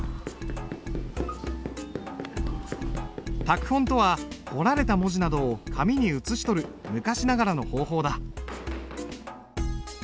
拓本とは彫られた文字などを紙に写し取る昔ながらの方法だ。